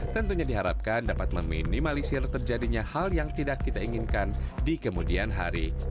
tentunya diharapkan dapat meminimalisir terjadinya hal yang tidak kita inginkan di kemudian hari